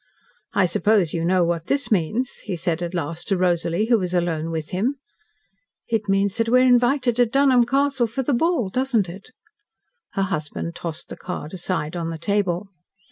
"I suppose you know what this means," he said at last to Rosalie, who was alone with him. "It means that we are invited to Dunholm Castle for the ball, doesn't it?" Her husband tossed the card aside on the table.